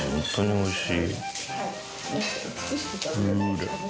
おいしい。